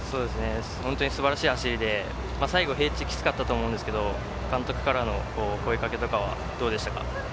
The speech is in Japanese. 本当に素晴らしい走りで、最後、平地きつかったと思うんですけど、監督からの声かけとかはどうでしたか？